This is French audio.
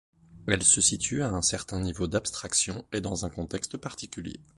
Elle se situe à un certain niveau d'abstraction et dans un contexte particulier.